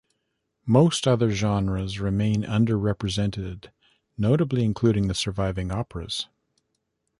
Most other genres remain under-represented, notably including the surviving operas.